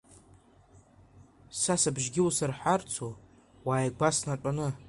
Са сыбжьгьы усырҳарцу, уааигәа снатәаны?